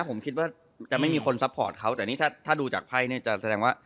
ผมคิดว่าจะไม่มีคนซัพพอร์ตเขาแต่นี่ถ้าดูจากไพ่เนี่ยจะแสดงว่า